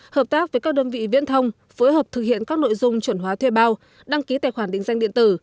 hợp tác với các đơn vị viễn thông phối hợp thực hiện các nội dung chuẩn hóa thuê bao đăng ký tài khoản định danh điện tử